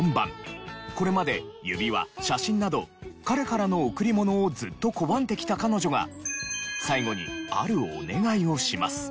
これまで指輪写真など彼からの贈り物をずっと拒んできた彼女が最後にあるお願いをします。